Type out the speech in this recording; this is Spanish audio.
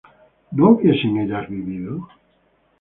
¿no hubiesen ellas vivido?